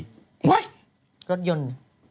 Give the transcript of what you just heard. เฮ้ยรถยนต์